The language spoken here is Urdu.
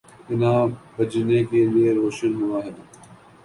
کہ نہ بجھنے کے لیے روشن ہوا ہے۔